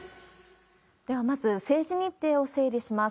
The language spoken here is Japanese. ではまず、政治日程を整理します。